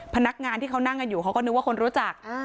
พนักงานที่เขานั่งกันอยู่เขาก็นึกว่าคนรู้จัก